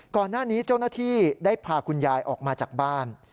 ก่อนหน้านี้เจ้าหน้าที่ได้พาคุณยายออกมาจากบ้าน